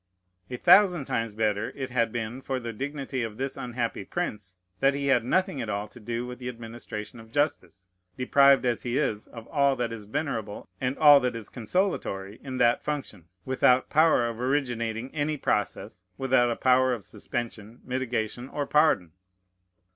A thousand times better it had been for the dignity of this unhappy prince, that he had nothing at all to do with the administration of justice, deprived as he is of all that is venerable and all that is consolatory in that function, without power of originating any process, without a power of suspension, mitigation, or pardon.